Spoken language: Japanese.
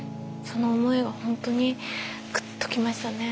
その思いはホントにグッときましたね。